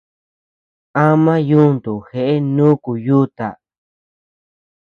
Ama yuntu jeʼe nuku yuta.